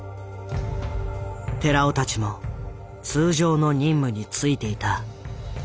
寺尾たちも通常の任務に就いていた。